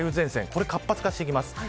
これが活発化してきます。